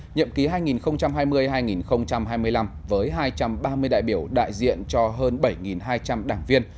nhậm ký hai nghìn hai mươi hai nghìn hai mươi năm với hai trăm ba mươi đại biểu đại diện cho hơn bảy hai trăm linh đảng viên